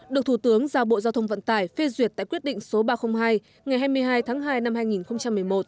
được thủ tướng giao bộ giao thông vận tải phê duyệt tại quyết định số ba trăm linh hai ngày hai mươi hai tháng hai năm hai nghìn một mươi một